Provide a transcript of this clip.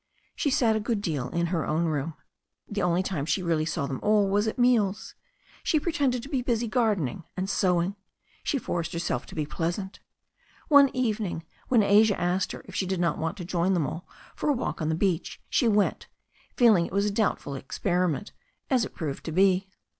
She sat a good deal in her own room. The only time she really saw them all was at meals. She pre tended to be busy gardening and sewing. She forced her self to be pleasant. One evening when Asia asked her if she did not want to join them all in a walk on the beach, she went, feeling it was a doubtful experiment, as it proved to be.